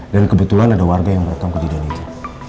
dan kebetulan ada warga yang menerang kejadian itu